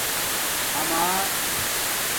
آمہ